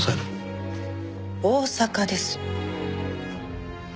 大阪です。